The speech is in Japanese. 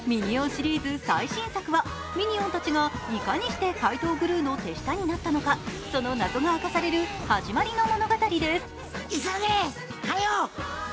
シリーズ最新作はミニオンたちがいかにして怪盗グルーの手下になったのか、その謎が明かされる始まりの物語です。